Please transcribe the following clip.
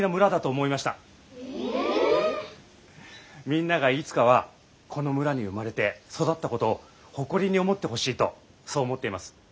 みんながいつかはこの村に生まれて育ったことを誇りに思ってほしいとそう思っています。